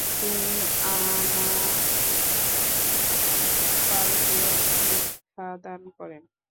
তিনি আ-মা-দ্পালকে দীক্ষাদান করেন।